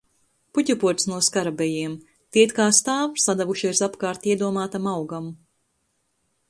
Puķupods no skarabejiem. Tie it kā stāv, sadevušies apkārt iedomātam augam.